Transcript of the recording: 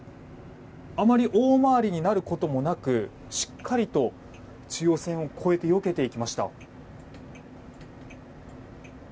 あまり大回りになることもなくしっかりと中央線を越えてよけていきました。